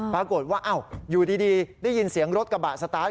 ปรากฏว่าอยู่ดีได้ยินเสียงรถกระบะสตาร์ท